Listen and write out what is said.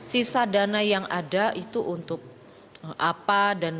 sisa dana yang ada itu untuk apa